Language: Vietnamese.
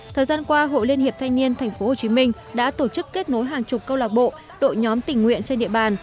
thời gian qua hội liên hiệp thanh niên tp hcm đã tổ chức kết nối hàng chục câu lạc bộ đội nhóm tỉnh nguyện trên địa bàn